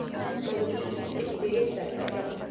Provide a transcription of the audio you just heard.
მან კი ის სიკვდილით დასაჯა.